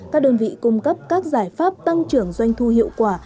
các đơn vị cung cấp các giải pháp tăng trưởng doanh thu hiệu quả